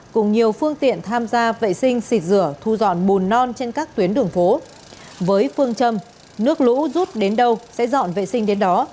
cùng nhiều phương tiện tham gia vệ sinh xịt rửa thu dọn bùn non trên các tuyến đường phố với phương châm nước lũ rút đến đâu sẽ dọn vệ sinh đến đó